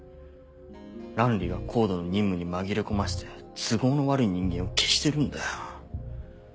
ランリーはＣＯＤＥの任務に紛れ込ませて都合の悪い人間を消してるんだよ。